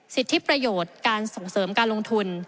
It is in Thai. สิทธิประโยชน์การส่งเสริมการลงทุน